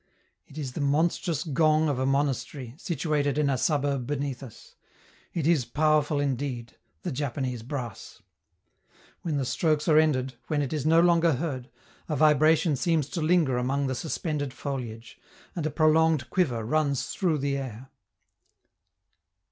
It is the monstrous gong of a monastery, situated in a suburb beneath us. It is powerful indeed, "the Japanese brass"! When the strokes are ended, when it is no longer heard, a vibration seems to linger among the suspended foliage, and a prolonged quiver runs through the air.